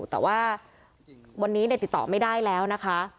แต่ว่าวันนี้ติดต่อไม่ได้แล้วนะคะ